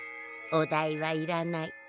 お代はいらない。